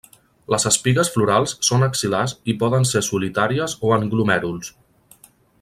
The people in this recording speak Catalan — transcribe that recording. Les espigues florals són axil·lars i poden ser solitàries o en glomèruls.